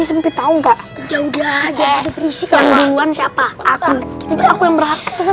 sampai tahu enggak udah udah ada berisikang duluan siapa aku aku yang